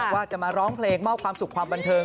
ว่าจะมาร้องเพลงมอบความสุขความบันเทิง